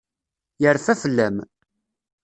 Yerfa fell-am.